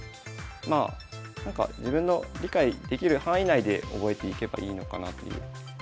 まあなんか自分の理解できる範囲内で覚えていけばいいのかなという感じはしますね。